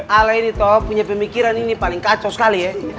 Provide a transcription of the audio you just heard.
ale ini toh punya pemikiran ini paling kacau sekali ya